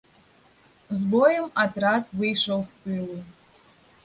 З боем атрад выйшаў з тылу.